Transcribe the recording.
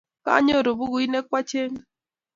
Kanyoru pukuit ne kwacheng'e